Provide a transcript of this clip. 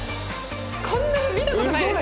こんなの見たことないですよ。